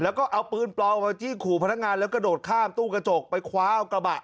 แล้วก็เอาปืนปลอมมาจี้ขู่พนักงานแล้วกระโดดข้ามตู้กระจกไปคว้าเอากระบะ